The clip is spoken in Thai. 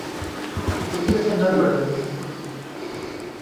คุณเชื่อเช่นนั้นหรือ